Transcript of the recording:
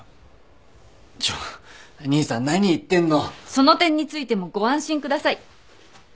その点についてもご安心ください。